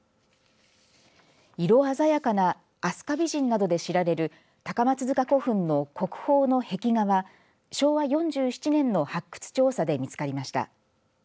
色鮮やかな飛鳥美人などで知られる高松塚古墳の国宝の壁画は昭和４７年の発掘調査で見つかりました。